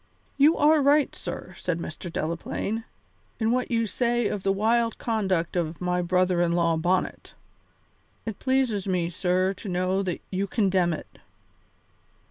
"You are right, sir," said Mr. Delaplaine, "in what you say of the wild conduct of my brother in law Bonnet. It pleases me, sir, to know that you condemn it."